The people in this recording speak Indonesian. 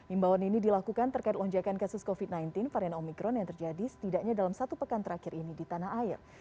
imbauan ini dilakukan terkait lonjakan kasus covid sembilan belas varian omikron yang terjadi setidaknya dalam satu pekan terakhir ini di tanah air